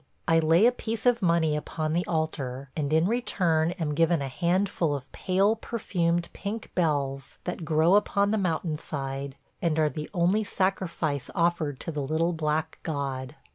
I lay a piece of money upon the altar, and in return am given a handful of pale, perfumed pink bells that grow upon the mountain side, and are the only sacrifice offered to the little black god.